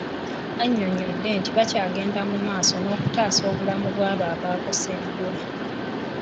Annyonnyodde nti bakyagenda mu maaso n'okutaasa obulamu bw'abo abakoseddwa .